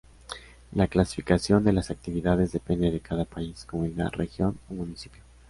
La clasificación de las actividades depende de cada país, comunidad, región o municipio.